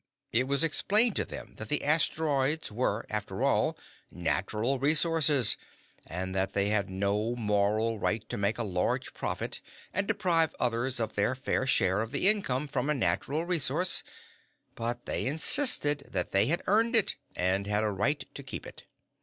It was explained to them that the asteroids were, after all, natural resources, and that they had no moral right to make a large profit and deprive others of their fair share of the income from a natural resource, but they insisted that they had earned it and had a right to keep it.